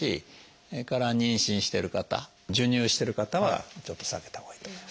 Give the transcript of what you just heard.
それから妊娠してる方授乳してる方はちょっと避けたほうがいいと思います。